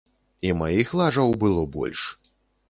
І маіх лажаў было больш.